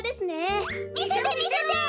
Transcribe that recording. みせてみせて。